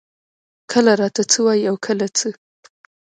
کله راته څۀ وائي او کله څۀ ـ